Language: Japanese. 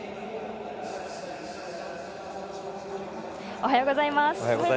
おはようございます。